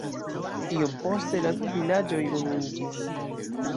Iom poste la du vilaĝoj unuiĝis.